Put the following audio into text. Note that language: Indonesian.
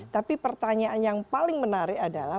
tapi pertanyaan yang paling menarik adalah